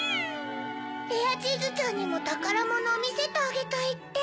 「レアチーズちゃんにもたからものをみせてあげたい」って。